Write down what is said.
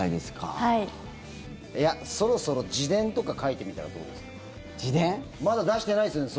そろそろ自伝とか書いてみたらどうですか？